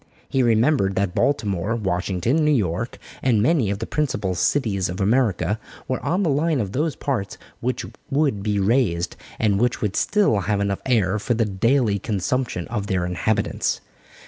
He remembered that Baltimore, Washington, New York, and many of the principal cities of America were on the line of those parts which would be raised, and which would still have enough air for the daily consumption of their inhabitants.